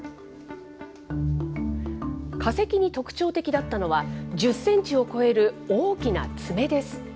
化石に特徴的だったのは、１０センチを超える大きな爪です。